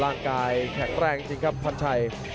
ร่างกายแข็งแรงจริงครับพันชัย